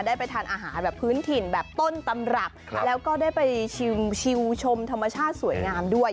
ได้ไปทานอาหารแบบพื้นถิ่นแบบต้นตำรับแล้วก็ได้ไปชิมชมธรรมชาติสวยงามด้วย